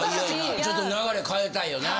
ちょっと流れ変えたいよね。